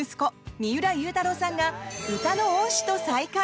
三浦祐太朗さんが歌の恩師と再会！